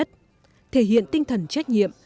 thể hiện tinh thần trách nhiệm